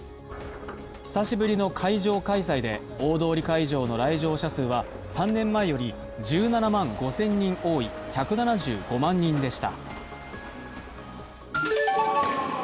久しぶりの会場開催で大通会場の来場者数は３年前より１７万５０００人多い１７５万人でした。